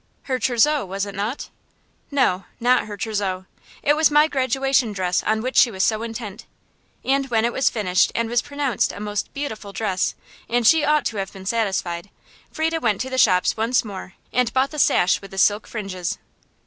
Her trousseau, was it not? No, not her trousseau. It was my graduation dress on which she was so intent. And when it was finished, and was pronounced a most beautiful dress, and she ought to have been satisfied, Frieda went to the shops once more and bought the sash with the silk fringes.